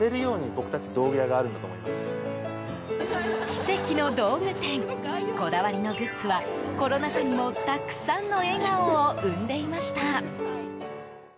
奇跡の道具店こだわりのグッズはコロナ禍にもたくさんの笑顔を生んでいました。